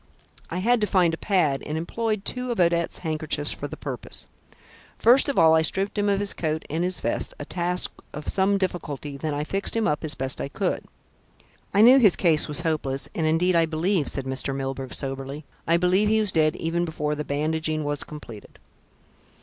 I had to find a pad and employed two of Odette's handkerchiefs for the purpose. First of all I stripped him of his coat and his vest, a task of some difficulty, then I fixed him up as best I could. I knew his case was hopeless, and indeed I believe," said Mr. Milburgh soberly, "I believe he was dead even before the bandaging was completed.